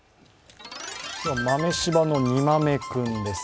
豆柴の煮豆君です。